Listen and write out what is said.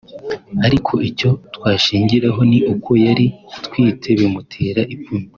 ariko icyo twashingiraho ni uko yari atwite bimutera ipfunwe”